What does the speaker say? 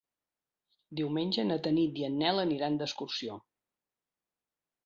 Diumenge na Tanit i en Nel aniran d'excursió.